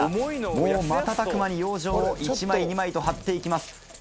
もう瞬く間に養生を１枚２枚と貼って行きます。